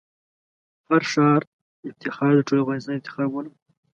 د هر ښار افتخار د ټول افغانستان افتخار بولم.